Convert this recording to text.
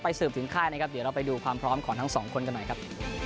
สืบถึงค่ายนะครับเดี๋ยวเราไปดูความพร้อมของทั้งสองคนกันหน่อยครับ